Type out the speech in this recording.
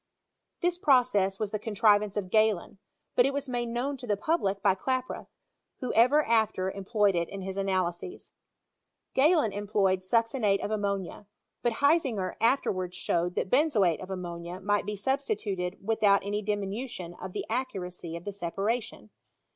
This process was the contrivance of Gehlen ; but it was made known to the public by Klaproth, who ever after employed it in his analyses. Gehlen employed succinate of ammonia; but Hisinger after wards showed that benzoate of ammonia might be substituted without any diminution of the accuracy of the separation.